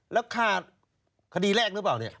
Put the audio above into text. แล้วฆ่าคดีแรกหรือเปล่าเนี่ย